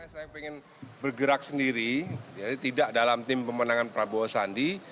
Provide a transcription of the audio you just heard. saya ingin bergerak sendiri jadi tidak dalam tim pemenangan prabowo sandi